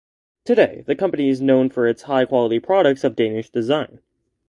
Today the company is known for its high-quality products of Danish design.